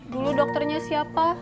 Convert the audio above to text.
dulu dokternya siapa